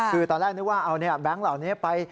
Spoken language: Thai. คือตอนแรกนึกว่าเอาแบงค์เหล่านี้ไป